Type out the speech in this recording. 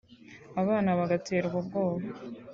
abana bagaterwa ubwoba